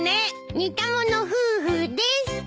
似た者夫婦です。